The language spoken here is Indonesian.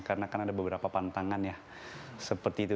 karena kan ada beberapa pantangan ya seperti itu